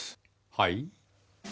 はい？